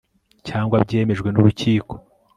cyangwa byemejwe n urukiko